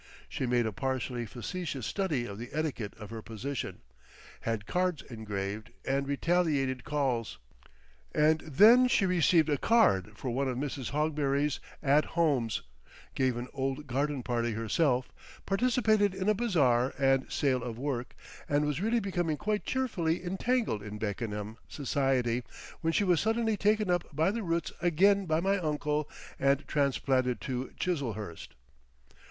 She made a partially facetious study of the etiquette of her position, had cards engraved and retaliated calls. And then she received a card for one of Mrs. Hogberry's At Homes, gave an old garden party herself, participated in a bazaar and sale of work, and was really becoming quite cheerfully entangled in Beckenham society when she was suddenly taken up by the roots again by my uncle and transplanted to Chiselhurst.